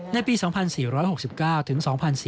ในปี๒๔๖๙ถึง๒๔๙